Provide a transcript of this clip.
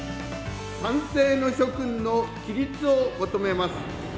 賛成の諸君の起立を求めます。